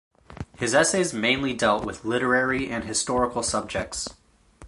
His essays mainly dealt with literary and historical subjects.